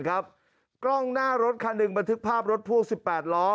ครับกล้องหน้ารถคันหนึ่งบันทึกภาพรถพ่วงสิบแปดล้อ